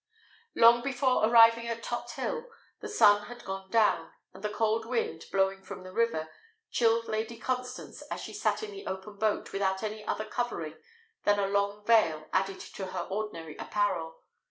Long before arriving at Tothill, the sun had gone down; and the cold wind, blowing from the river, chilled Lady Constance as she sat in the open boat without any other covering than a long veil added to her ordinary apparel.